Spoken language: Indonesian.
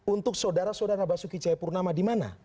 untuk saudara saudara basuki cahayapurnama di mana